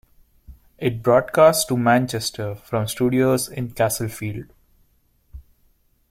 It broadcasts to Manchester from studios in Castlefield.